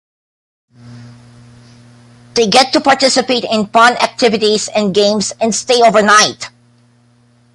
They get to participate in fun activities and games and stay overnight.